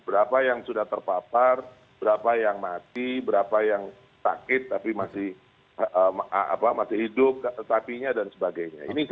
berapa yang sudah terpapar berapa yang mati berapa yang sakit tapi masih hidup sapinya dan sebagainya